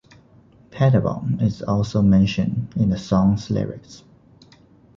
Pettibon is also mentioned in the song's lyrics.